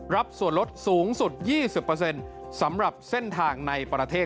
ส่วนลดสูงสุด๒๐สำหรับเส้นทางในประเทศ